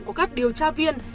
của các điều tra viên